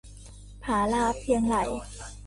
ผาลาเพียงไหล่